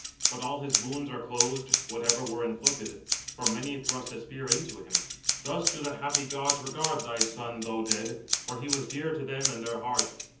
But all his wounds are closed, whatever were inflicted; for many thrust a spear into him. Thus do the happy gods regard thy son, though dead; for he was dear to them in their heart."